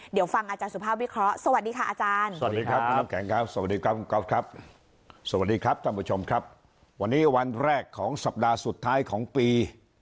เดี๋ยวฟังอาจารย์สุภาพวิเคราะห์สวัสดีค่ะอาจารย์สวัสดีครับคุณน้ำแข็งครับสวัสดีครับคุณก๊อฟครับสวัสดีครับท่านผู้ชมครับวันนี้วันแรกของสัปดาห์สุดท้ายของปี